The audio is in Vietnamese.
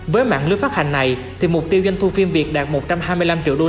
với mạng lưới phát hành này mục tiêu doanh thu phim việt đạt một trăm hai mươi năm triệu usd